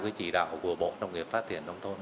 cái chỉ đạo của bộ nông nghiệp phát triển nông thôn